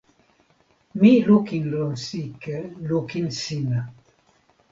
mi lukin lon sike lukin sina.